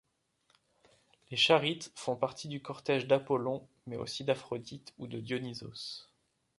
Les Charites font partie du cortège d'Apollon mais aussi d'Aphrodite ou de Dionysos.